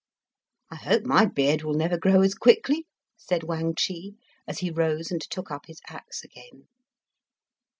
"I hope my beard will never grow as quickly," said Wang Chih, as he rose and took up his axe again.